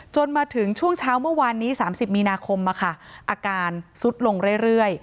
มาถึงช่วงเช้าเมื่อวานนี้๓๐มีนาคมอาการซุดลงเรื่อย